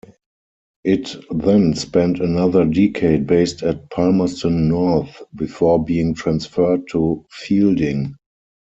It then spent another decade based at Palmerston North, before being transferred to Feilding.